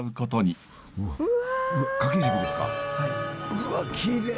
うわっきれい！